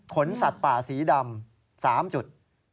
สัตว์ป่าสีดำ๓จุด